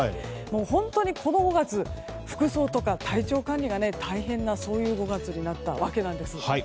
本当に、この５月服装とか体調管理が大変なそういう５月になったわけなんです。